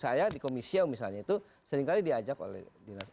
saya di komisio misalnya itu seringkali diajak oleh dinas